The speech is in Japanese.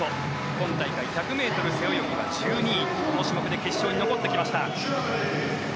今大会１００ｍ背泳ぎは１２位この種目で決勝に残ってきました。